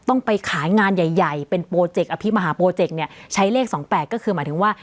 ต้องไปขายงานใหญ่ใหญ่เป็นโปรเจกต์อภิมหาโปรเจกต์เนี่ยใช้เลข๒๘ก็คือหมายถึงว่า